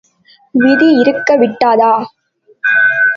விதி இருக்க விட்டதா?